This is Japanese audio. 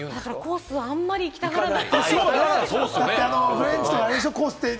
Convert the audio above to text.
コースはあまり行きたがらない。